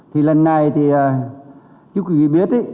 thì lần này thì chúc quý vị biết